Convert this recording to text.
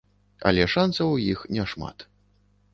Але шанцаў у іх няшмат.